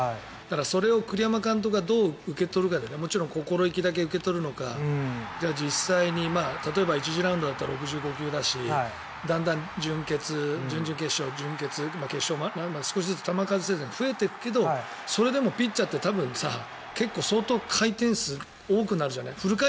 それを栗山監督がどう受け取るかでもちろん心意気だけ受け取るのかじゃあ、実際に例えば１次ラウンドだったら６５球だしだんだん準々決勝、準決勝決勝も、少しずつ球数制限が増えていくけどそれでもピッチャーって多分相当回転数が多くなるじゃない。